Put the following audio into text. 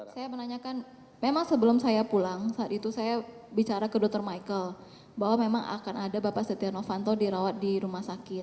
saya menanyakan memang sebelum saya pulang saat itu saya bicara ke dr michael bahwa memang akan ada bapak setia novanto dirawat di rumah sakit